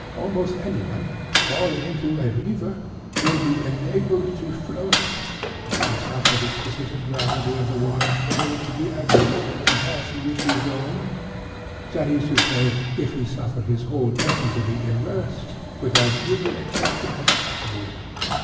Almost any one, falling into a river, will be enabled to float, if he suffer the specific gravity of the water fairly to be adduced in comparison with his own—that is to say, if he suffer his whole person to be immersed, with as little exception as possible.